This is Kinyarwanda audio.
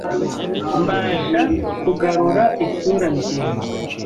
mbasha kugarura isura nzima